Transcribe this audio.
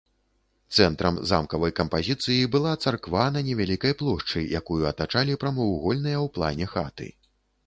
Цэнтрам замкавай кампазіцыі была царква на невялікай плошчы, якую атачалі прамавугольныя ў плане хаты.